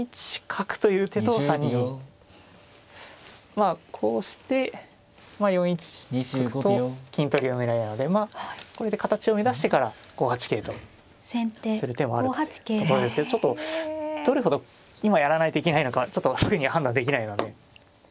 まあこうして４一角と金取りの狙いなのでこれで形を乱してから５八桂とする手もあるところですけどちょっとどれほど今やらないといけないのかはちょっとすぐには判断できないので。